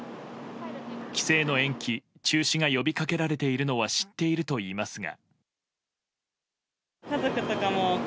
帰省の延期・中止が呼びかけられているのは知っているといいますが。